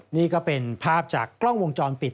นี่ก็เป็นภาพจากกล้องวงจรปิด